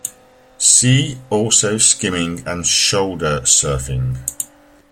See also skimming and shoulder surfing.